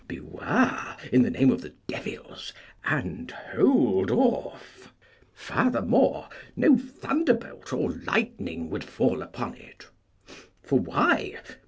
Beware, in the name of the devils, and hold off. Furthermore, no thunderbolt or lightning would fall upon it. For why?